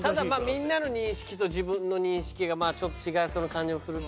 みんなの認識と自分の認識がちょっと違いそうな感じもする。